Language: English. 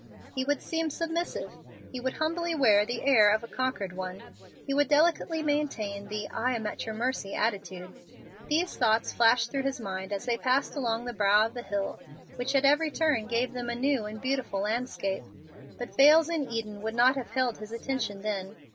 He would seem submissive; he would humbly wear the air of a conquered one. He would delicately maintain the "I am at your mercy" attitude. These thoughts flashed through his mind as they passed along the brow of the hill, which at every turn gave them a new and beautiful landscape. But vales in Eden would not have held his attention then.